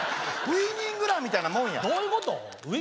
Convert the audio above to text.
ウイニングランみたいなもん？